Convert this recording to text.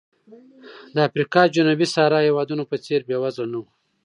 د افریقا جنوبي صحرا هېوادونو په څېر بېوزله نه و.